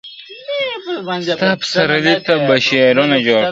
ستا پسرلي ته به شعرونه جوړ کړم!!